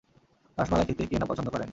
রসমালাই খেতে কে না পছন্দ করেন।